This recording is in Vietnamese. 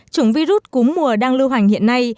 chủng virus cúm mùa đang lưu hoành hiện nay